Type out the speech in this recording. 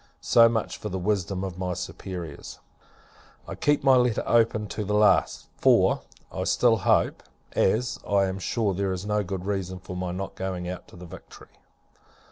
So much for the wisdom of my superiors. I keep my letter open to the last: for, I still hope; as, I am sure, there is no good reason for my not going out in the Victory.